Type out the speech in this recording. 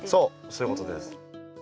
そういうことです。